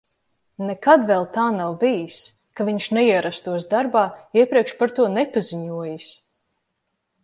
Nekad vēl tā nav bijis, ka viņš neierastos darbā, iepriekš par to nepaziņojis.